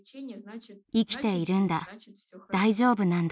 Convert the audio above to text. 生きているんだ大丈夫なんだと。